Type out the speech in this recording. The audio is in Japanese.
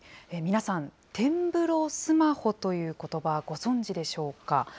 皆さん、点ブロスマホということば、ご存じでしょうか。